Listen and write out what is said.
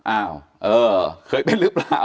อ้าวเออเคยเป็นหรือเปล่า